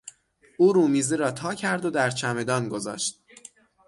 او رومیزی را تاکرد و در چمدان گذاشت.